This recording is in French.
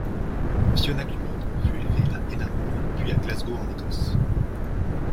Fiona Cumming fut élevée à Édimbourg puis à Glasgow en Écosse.